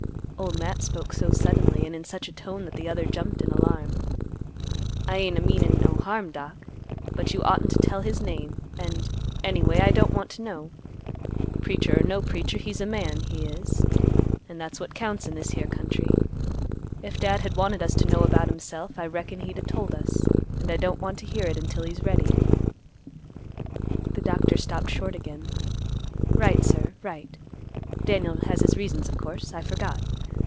Old Matt spoke so suddenly and in such a tone that the other jumped in alarm. "I ain't a meanin' no harm, Doc; but you oughtn't to tell his name, and—anyway I don't want to know. Preacher or no preacher, he's a man, he is, and that's what counts in this here country. If Dad had wanted us to know about himself, I reckon he'd a told us, and I don't want to hear it until he's ready." The Doctor stopped short again, "Right, sir; right. Daniel has his reasons, of course. I forgot.